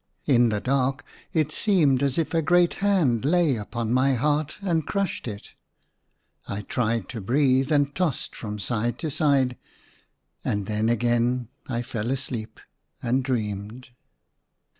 In the dark it seemed as if a great hand lay upon my heart, and crushed it. I tried to breathe and tossed from side to side ; and then again I fell asleep, and dreamed.